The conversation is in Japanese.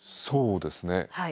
そうですね。